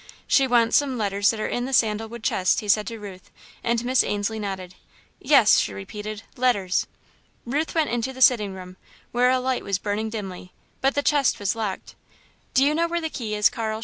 "She wants some letters that are in the sandal wood chest," he said to Ruth, and Miss Ainslie nodded. "Yes," she repeated, "letters." Ruth went into the sitting room, where a light was burning dimly, but the chest was locked. "Do you know where the key is, Carl?"